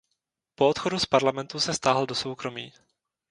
Po odchodu z parlamentu se stáhl do soukromí.